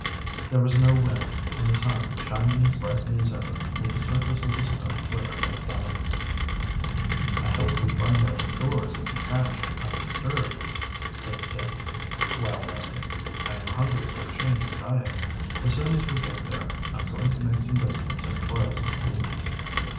There was no wind, and the sun, shining as brightly as ever, made the surface of the snow glitter like diamonds. "I hope we find our stores at the cache undisturbed," said Dick, while resting. "I am hungry for a change of diet. As soon as we get there I'm going to make some biscuits and boil some beans."